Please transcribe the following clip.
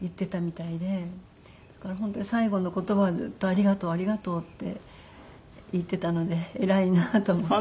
だから本当に最後の言葉はずっと「ありがとう」「ありがとう」って言ってたので偉いなと思って。